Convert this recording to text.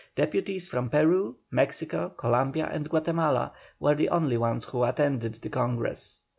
Deputies from Peru, Mexico, Columbia, and Guatemala were the only ones who attended the Congress.